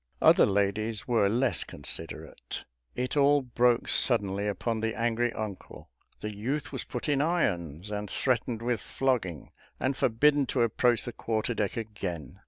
Other ladies were less considerate; it all broke suddenly upon the angry uncle; the youth was put in irons, and threatened with flogging, and forbidden to approach the quarter deck again.